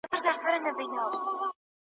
هره ورځ به دي تورونه ډک له ښکار سي